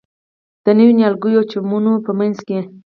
د نویو نیالګیو او چمنونو په منځ کې.